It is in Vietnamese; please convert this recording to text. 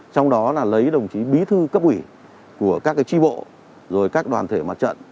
trong đó là lấy đồng chí bí thư cấp ủy của các tri bộ rồi các đoàn thể mặt trận